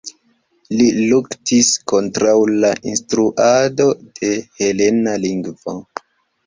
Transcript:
Li luktis kontraŭ la instruado de helena lingvo.